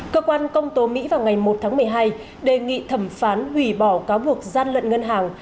cơ quan công tố mỹ vào ngày một tháng một mươi hai đề nghị thẩm phán hủy bỏ cáo buộc gian lận ngân hàng